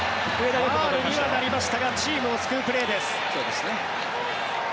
ファウルにはなりましたがチームを救うプレーです。